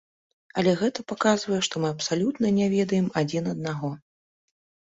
Але гэта паказвае, што мы абсалютна не ведаем адзін аднаго.